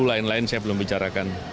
lain lain saya belum bicarakan